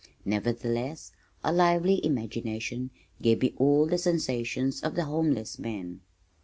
Nevertheless a lively imagination gave me all the sensations of the homeless man.